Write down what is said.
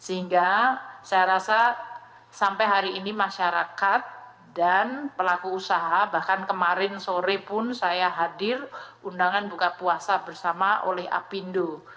sehingga saya rasa sampai hari ini masyarakat dan pelaku usaha bahkan kemarin sore pun saya hadir undangan buka puasa bersama oleh apindo